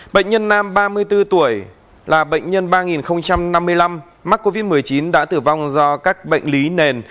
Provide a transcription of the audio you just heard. bệnh nhân nam ba mươi bốn tuổi là bệnh nhân ba năm mươi năm mắc covid một mươi chín đã tử vong do các bệnh lý nền